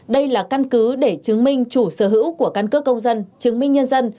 đây là căn cứ để chứng minh chủ sở hữu của căn cước công dân chứng minh nhân dân